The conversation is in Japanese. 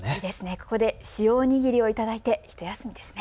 ここで塩お握りをいただいてひと休みですね。